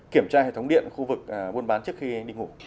kiểm tra hệ thống điện khu vực buôn bán trước khi anh đi ngủ